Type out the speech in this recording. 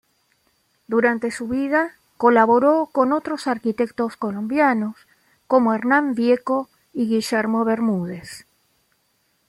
Durante su vida, colaboró con otros arquitectos colombianos como Hernán Vieco y Guillermo Bermúdez.